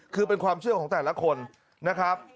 คือเป็นความเชื่อของแต่ละคนนะครับ